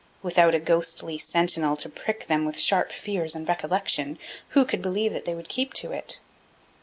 Without a ghostly sentinel to prick them with sharp fears and recollections, who could believe that they would keep to it?